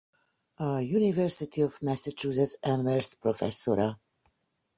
A University of Massachusetts Amherst professzora.